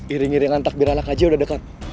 iring iring antak biralak aja udah dekat